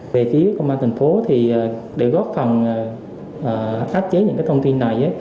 về phía công an thành phố thì để góp phần áp chế những cái thông tin này